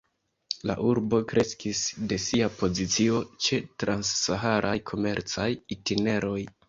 La urbo kreskis de sia pozicio ĉe trans-saharaj komercaj itineroj.